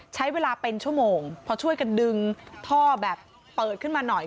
ใช้เวลาเป็นชั่วโมงพอช่วยกันดึงท่อแบบเปิดขึ้นมาหน่อย